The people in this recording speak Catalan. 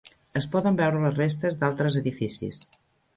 Es poden veure les restes d'altres edificis.